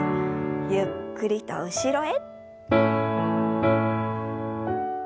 ゆっくりと後ろへ。